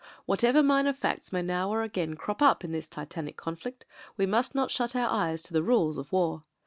Whatever minor facts may now or again crop up in this titanic conflict, we must not shut our eyes to the rules of war.